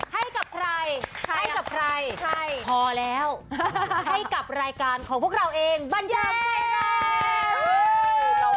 ให้กับใครให้กับใครพอแล้วให้กับรายการของพวกเราเองบรรยายไทยแลนด์